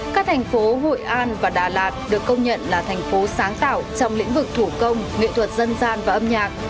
các thành phố hội an và đà lạt được công nhận là thành phố sáng tạo trong lĩnh vực thủ công nghệ thuật dân gian và âm nhạc